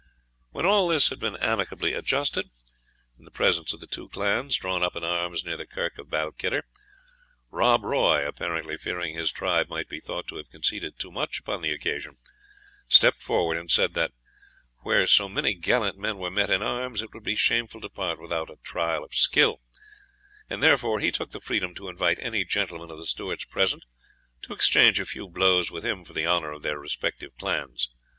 When all this had been amicably adjusted, in presence of the two clans drawn up in arms near the Kirk of Balquhidder, Rob Roy, apparently fearing his tribe might be thought to have conceded too much upon the occasion, stepped forward and said, that where so many gallant men were met in arms, it would be shameful to part without it trial of skill, and therefore he took the freedom to invite any gentleman of the Stewarts present to exchange a few blows with him for the honour of their respective clans.